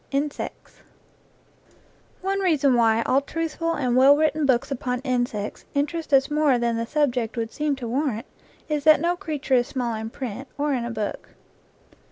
INSECTS One reason why all truthful and well written books upon insects interest us more than the sub ject would seem to warrant is that no creature is small in print, or in a book.